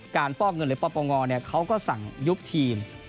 การป้องเงินในปลอมประงอเขาก็สั่งยุบทีม